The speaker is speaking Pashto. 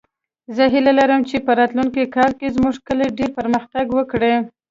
زه هیله لرم چې په راتلونکې کال کې زموږ کلی ډېر پرمختګ وکړي